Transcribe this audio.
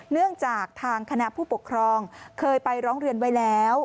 เนื่องจากทางคณะผู้ปกครองเคยไปร้องเรียนไว้แล้ว